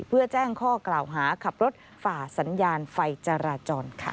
เพื่อแจ้งข้อกล่าวหาขับรถฝ่าสัญญาณไฟจราจรค่ะ